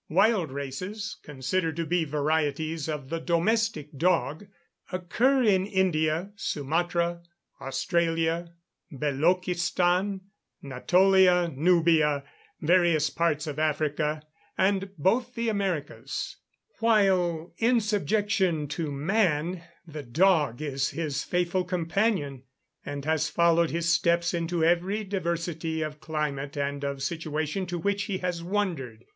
Wild races, considered to be varieties of the domestic dog, occur in India, Sumatra, Australia, Beloochistan, Natolia, Nubia, various parts of Africa, and both the Americas; while in subjection to man, the dog is his faithful companion, and has followed his steps into every diversity of climate and of situation to which he has wandered.